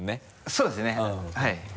そうですねはい。